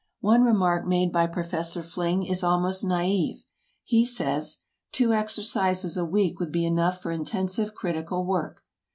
One remark made by Professor Fling is almost naïve. He says: "Two exercises a week would be enough for intensive critical work."